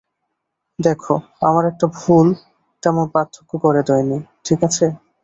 দেখো আমার একটা ভুল তেমন পার্থক্য গড়ে দেয়নি, ঠিক আছে?